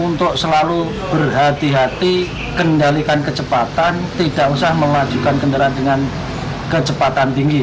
untuk selalu berhati hati kendalikan kecepatan tidak usah memajukan kendaraan dengan kecepatan tinggi